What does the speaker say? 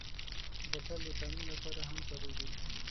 بوتل د تعلیم لپاره هم کارېږي.